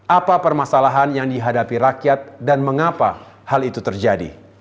apa permasalahan yang dihadapi rakyat dan mengapa hal itu terjadi